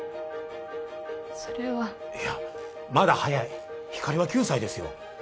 それはいやまだ早いひかりは９歳ですよ